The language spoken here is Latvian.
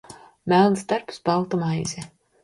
Melns darbs, balta maize.